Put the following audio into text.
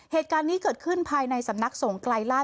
เหตุการณ์นี้เกิดขึ้นภายในสำนักสงไกลลาศ